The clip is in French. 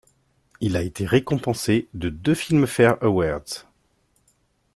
Il a été récompensé de deux Filmfare Awards.